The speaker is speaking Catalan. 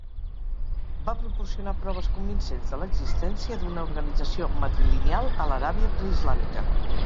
Va proporcionar proves convincents de l'existència d'una organització matrilineal a l'Aràbia preislàmica.